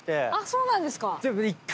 そうなんですか。